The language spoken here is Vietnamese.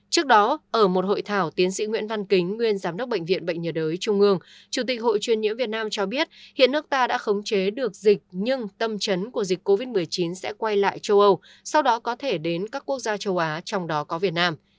trước đó ở một hội thảo tiến sĩ nguyễn văn kính nguyên giám đốc bệnh viện bệnh nhiệt đới trung ương chủ tịch hội truyền nhiễm việt nam cho biết hiện nước ta đã khống chế được dịch nhưng tâm trấn của dịch covid một mươi chín sẽ quay lại châu âu sau đó có thể đến các quốc gia châu á trong đó có việt nam